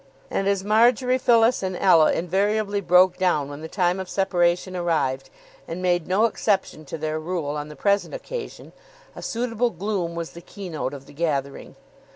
And as Marjory, Phyllis, and Ella invariably broke down when the time of separation arrived, and made no exception to their rule on the present occasion, a suitable gloom was the keynote of the gathering.